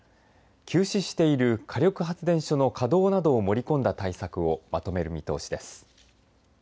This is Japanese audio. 休止している火力発電所の稼働などを盛り込んだ対策をまとめる見通しです。